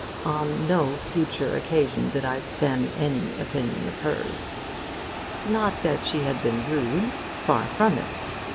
On no future occasion did I stem any opinion of hers. Not that she had been rude. Far from it.